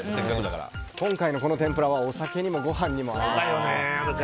今回のこの天ぷらはお酒にもご飯にも合います。